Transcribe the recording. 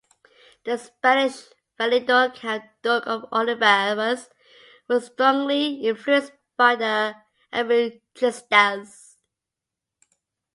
The Spanish valido Count-Duke of Olivares was strongly influenced by the "arbitristas".